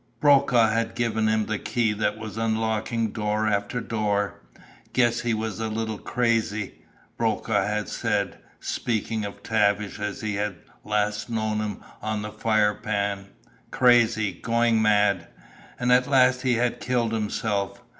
Brokaw had given him the key that was unlocking door after door. "Guess he was a little crazy," Brokaw had said, speaking of Tavish as he had last known him on the Firepan. Crazy! Going mad! And at last he had killed himself.